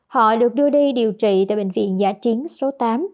họ được đưa đi điều trị tại bệnh viện giả chiến số tám